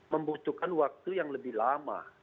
membutuhkan waktu yang lebih lama